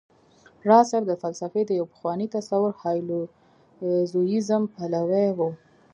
راز صيب د فلسفې د يو پخواني تصور هايلو زوييزم پلوی و